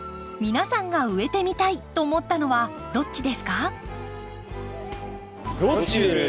皆さんが植えてみたいと思ったのはどっちですか？